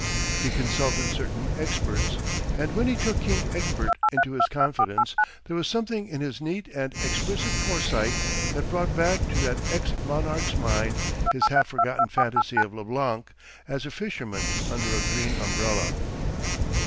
He consulted certain experts, and when he took King Egbert into his confidence there was something in his neat and explicit foresight that brought back to that ex monarch's mind his half forgotten fantasy of Leblanc as a fisherman under a green umbrella.